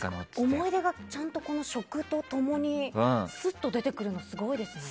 思い出がちゃんと食と共にすっと出てくるのすごいですね。